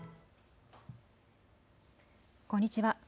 こんにちは。